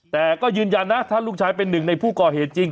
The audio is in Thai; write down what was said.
แต่ก็ยืนยันนะถ้าลูกชายเป็นหนึ่งในผู้ก่อเหตุจริง